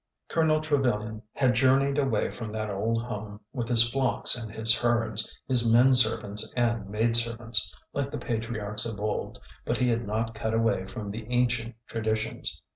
Colonel Trevilian had journeyed away from that old home with his flocks and his herds, his men servants and maid servants, like the patriarchs of old, but he had not cut away from the ancient traditions.